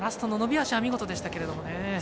脚は見事でしたけどね。